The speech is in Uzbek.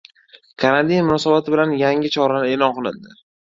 Karantin munosabati bilan yangi choralar e’lon qilindi